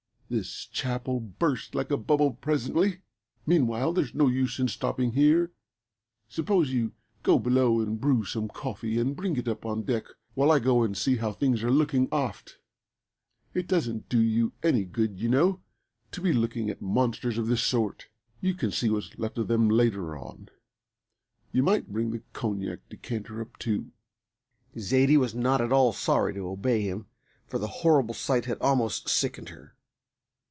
This chap'll burst like a bubble presently. Meanwhile, there's no use in stopping here. Suppose you go below and brew some coffee and bring it up on deck while I go and see how things are looking aft. It doesn't do you any good, you know, to be looking at monsters of this sort. You can see what's left of them later on. You might bring the cognac decanter up too." Zaidie was not at all sorry to obey him, for the horrible sight had almost sickened her.